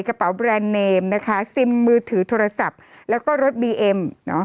กระเป๋าแบรนด์เนมนะคะซิมมือถือโทรศัพท์แล้วก็รถบีเอ็ม